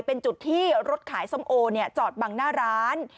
เป็นจุดที่รถขายส้มโอจอดบังหน้าร้าน